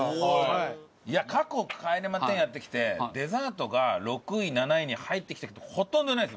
いや過去帰れま１０やってきてデザートが６位７位に入ってきた事ほとんどないです。